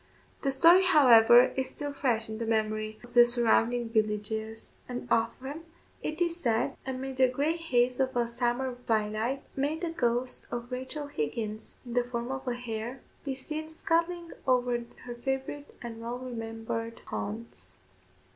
The story, however, is still fresh in the memory of the surrounding villagers; and often, it is said, amid the grey haze of a summer twilight, may the ghost of Rachel Higgins, in the form of a hare, be seen scudding over her favourite and well remembered haunts.